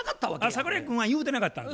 桜井君は言うてなかったんや。